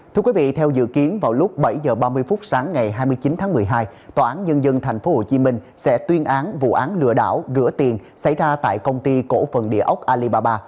thưa quý vị theo dự kiến vào lúc bảy h ba mươi phút sáng ngày hai mươi chín tháng một mươi hai tòa án nhân dân tp hcm sẽ tuyên án vụ án lừa đảo rửa tiền xảy ra tại công ty cổ phần địa ốc alibaba